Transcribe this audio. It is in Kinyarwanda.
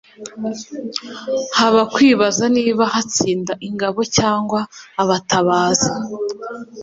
haba kwibaza niba hatsinda ingabo cyangwa abatabazi